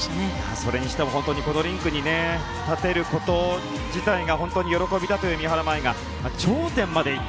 それにしてもこのリンクに立てること自体が本当に喜びだという三原舞依が頂点まで行った。